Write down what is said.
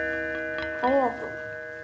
「ありがと」。